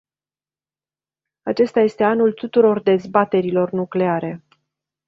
Acesta este anul tuturor dezbaterilor nucleare.